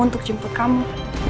untuk jemput kamu